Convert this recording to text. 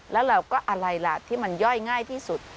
แล้วเราก็อะไรล่ะที่มันย่อยง่ายที่สุด